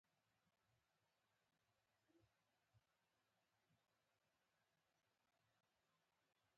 قومونه د افغانستان د اقتصادي منابعو ارزښت نور هم زیاتوي.